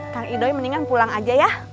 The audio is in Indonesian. kang idoi mendingan pulang aja ya